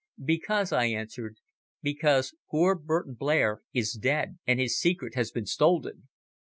"Because," I answered, "because poor Burton Blair is dead and his secret has been stolen."